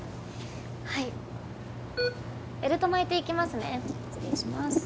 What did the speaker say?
はいベルト巻いていきますね失礼します